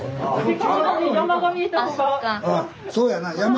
そうやな山。